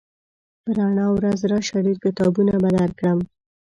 په رڼا ورځ راشه ډېر کتابونه به درکړم